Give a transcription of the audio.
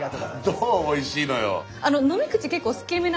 どうおいしいのよ？